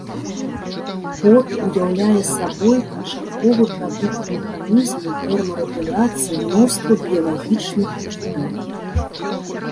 Пот уяўляе сабой канчатковы прадукт механізму тэрмарэгуляцыі мноства біялагічных відаў.